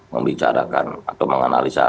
membicarakan atau menganalisa